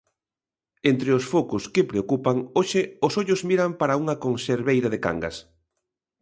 Entre os focos que preocupan, hoxe os ollos miran para unha conserveira de Cangas.